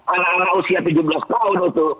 anak anak usia tujuh belas tahun itu